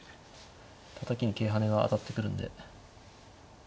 たたきに桂跳ねが当たってくるんで。